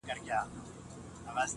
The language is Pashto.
خر چي هر کله چمونه کړي د سپیو.!